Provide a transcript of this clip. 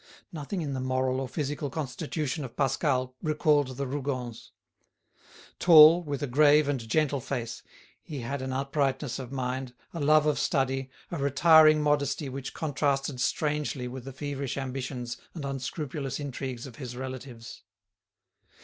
Nothing in the moral or physical constitution of Pascal recalled the Rougons. Tall, with a grave and gentle face, he had an uprightness of mind, a love of study, a retiring modesty which contrasted strangely with the feverish ambitions and unscrupulous intrigues of his relatives.